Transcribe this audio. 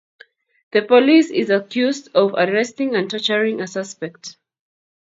The police is accused of arresting and torturing a suspect.